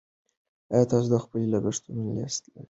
ایا تاسو د خپلو لګښتونو لیست لرئ.